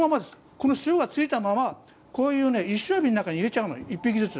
この塩がついたままこういうね一升瓶の中に入れちゃうの一匹ずつ。